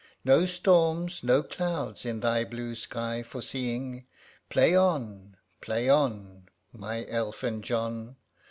No storms, no clouds, in thy blue sky foreseeing. Play on, play on, My elfin John